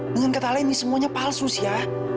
dengan kata lain ini semuanya palsu sih ya